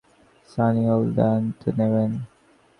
আপাতত সহকারী coach Willy Sagnol দায়িত্ব নেবেন।